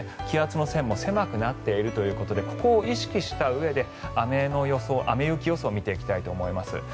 気圧の線も狭くなっているということでここを意識したうえで雨・雪予想を見ていきたいと思います。